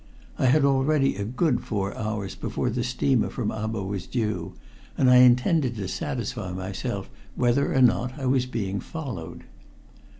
I had already a good four hours before the steamer from Abo was due, and I intended to satisfy myself whether or not I was being followed.